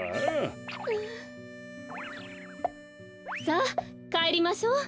さあかえりましょう。